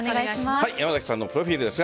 山崎さんのプロフィールです。